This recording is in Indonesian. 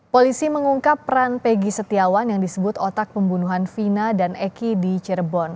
polisi mengungkap peran pegi setiawan yang disebut otak pembunuhan vina dan eki di cirebon